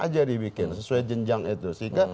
aja dibikin sesuai jenjang itu sehingga